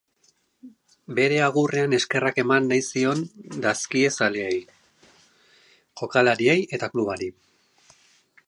Bere agurrean eskerrak eman nahi zion dizkie zaleei, jokalariei eta klubari.